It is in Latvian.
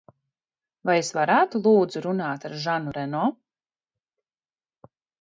Vai es varētu, lūdzu, runāt ar Žanu Reno?